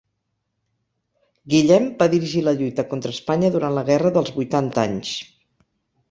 Guillem va dirigir la lluita contra Espanya durant la Guerra dels Vuitanta Anys.